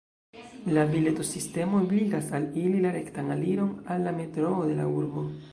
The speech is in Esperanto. La biletosistemo ebligas al ili la rektan aliron al la metroo de la urbo.